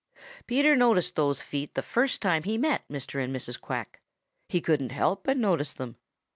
Peter noticed those feet the first time he met Mr. and Mrs. Quack. He couldn't help but notice them.